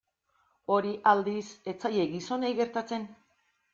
Hori, aldiz, ez zaie gizonei gertatzen.